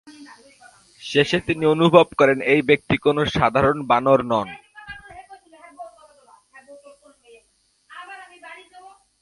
শেষে তিনি অনুভব করেন, এই ব্যক্তি কোনও সাধারণ বানর নন।